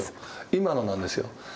今のなんですよ。